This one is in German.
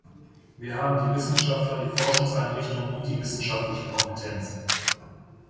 Wir haben die Wissenschaftler, die Forschungseinrichtungen und die wissenschaftliche Kompetenz.